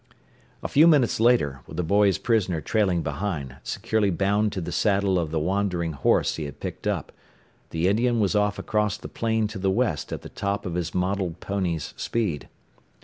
A few minutes later, with the boys' prisoner trailing behind, securely bound to the saddle of the wandering horse he had picked up, the Indian was off across the plain to the west at the top of his mottled pony's speed.